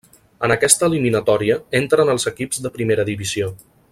En aquesta eliminatòria entren els equips de primera divisió.